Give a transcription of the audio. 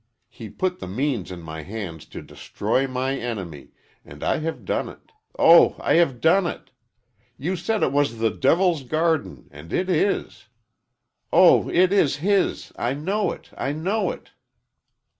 He put the means in my hands to destroy my enemy, and I have done it oh, I have done it! You said it was the Devil's Garden, and it is! Oh, it is his I know it! I know it!"